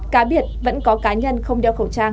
cá biệt vẫn có cá nhân không đeo khẩu trang